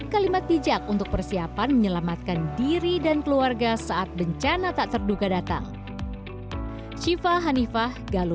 kalimat bijak untuk persiapan menyelamatkan diri dan keluarga saat bencana tak terduga datang